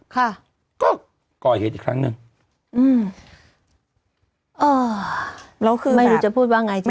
ค่ะก็ก่อเหตุอีกครั้งหนึ่งอืมอ่าแล้วคือไม่รู้จะพูดว่าไงใช่ไหม